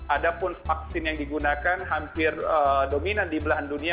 ada pun vaksin yang digunakan hampir dominan di belahan dunia